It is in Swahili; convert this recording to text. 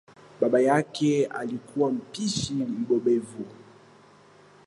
Baba yake alikuwa mpishi mbobevu.